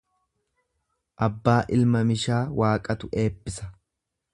Abbaa ilma mishaa Waaqatu eebbisa.